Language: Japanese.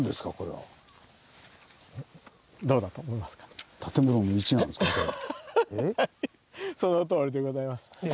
はいそのとおりでございます。